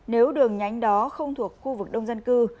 nếu đường nhánh đó không thuộc khu vực đông dân cư